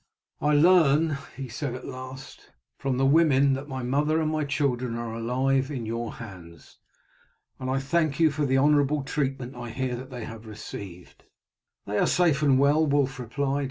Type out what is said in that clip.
"I learn," he said at last, "from the women, that my mother and my children are alive in your hands, and I thank you for the honorable treatment I hear that they have received." "They are safe and well," Wulf replied.